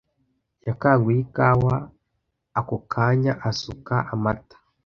Yakanguye ikawa ako kanya asuka amata.